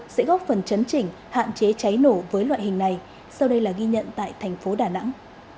sẽ góp phần chấn chỉnh hạn chế cháy nổ với loại hình này sau đây là ghi nhận tại thành phố đà nẵng